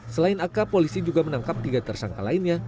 selain ak polisi juga menangkap tiga tersangka lainnya